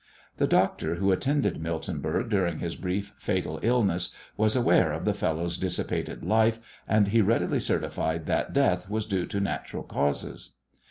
The doctor who attended Miltenberg during his brief fatal illness was aware of the fellow's dissipated life, and he readily certified that death was due to natural causes.